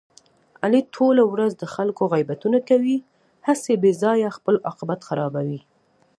علي ټوله ورځ د خلکو غیبتونه کوي، هسې بې ځایه خپل عاقبت خرابوي.